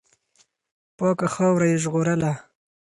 پاکه خاوره یې ژغورله.